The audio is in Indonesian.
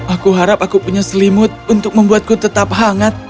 aku harap aku punya selimut untuk membuatku tetap hangat